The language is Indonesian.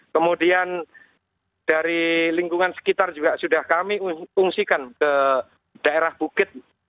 kemudian dari lingkungan sekitar juga sudah kami fungsikan ke daerah bukit